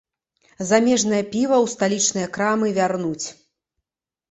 Замежнае піва ў сталічныя крамы вярнуць.